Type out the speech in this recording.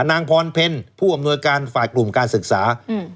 นางพรเพลผู้อำนวยการฝ่ายกลุ่มการศึกษาอืม